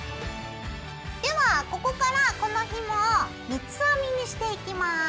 ではここからこのひもを三つ編みにしていきます。